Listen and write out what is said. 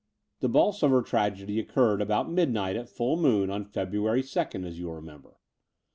The Bolsoveu tragedy occtured about midnight at full moon on February 2nd, you will remember.